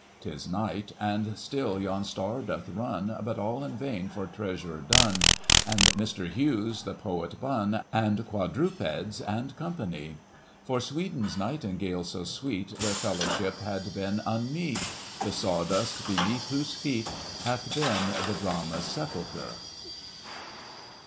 'Tis night ; and still yon star doth run ; But all in vain for treasurer Dunn, And Mr. Hughes, and poet Bunn, And quadrupeds, and company. For Sweden's Nightingale so sweet. Their fellowship had been unmeet. The sawdust underneath whose feet Hath been the Drama's sepulchre."